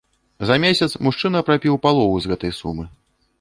За месяц мужчына прапіў палову з гэтай сумы.